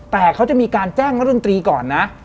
แต่เขาจะมีการแจ้งนักดนตรีก่อนนะ